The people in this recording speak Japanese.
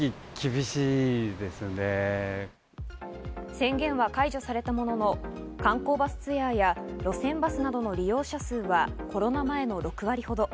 宣言は解除されたものの、観光バスツアーや路線バスなどの利用者数はコロナ前の６割ほど。